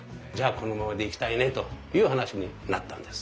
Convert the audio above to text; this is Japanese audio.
このままでいきたいねという話になったんです。